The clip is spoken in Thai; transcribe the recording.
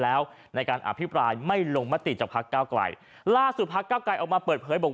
แล้วในการอภิปรายไม่ลงมติจากพักเก้าไกลล่าสุดพักเก้าไกลออกมาเปิดเผยบอก